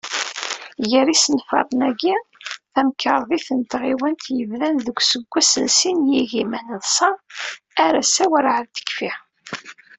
Gar yisenfaren-agi, tamkerḍit n tɣiwant yebdan deg useggas n sin yigiman d ṣa, ar ass-a urεad tekfi.